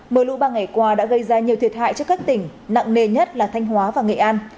mờ lũ ba ngày qua đã gây ra nhiều thiệt hại cho các tỉnh nặng nề nhất là thanh hóa và nghệ an